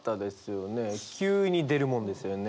急に出るもんですよね。